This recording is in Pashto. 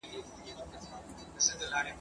آیا علامه حبیبي صاحب شفاهي روایت رانقل کړی دئ؟